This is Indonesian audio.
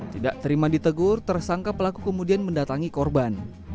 tidak terima ditegur tersangka pelaku kemudian mendatangi korban